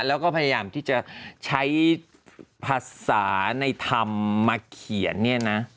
แล้วก็พยายามที่จะใช้ภาษาในธรรมมาเขียนเนี่ยนะ